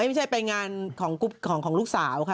ไม่ใช่ไปงานของลูกสาวค่ะ